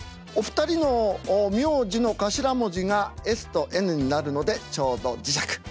お二人の名字の頭文字がＳとＮになるのでちょうど磁石。